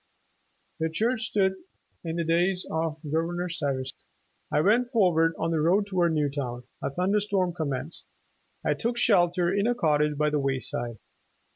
The church stood in the days of Govern or Stuyvesant. ''I went forward on the road toward Newtown. A thunder storm commenced. I took shelter in a cottage by the wayside.